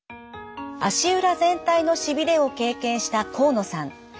足裏全体のしびれを経験した河野さん。